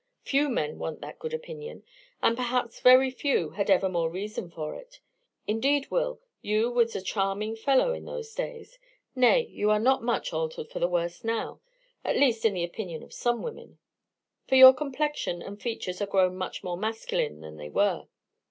Few men want that good opinion and perhaps very few had ever more reason for it. Indeed, Will, you was a charming fellow in those days; nay, you are not much altered for the worse now, at least in the opinion of some women; for your complexion and features are grown much more masculine than they were."